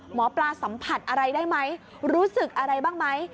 หมอปลาสัมผัสอะไรได้ไหมรู้สึกอะไรบ้างไหม